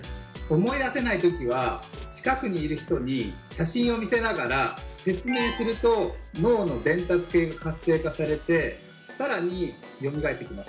思い出せない時は近くにいる人に写真を見せながら説明すると脳の伝達系が活性化されて更によみがえってきます。